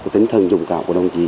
tính thân dùng cảm của đồng chỉ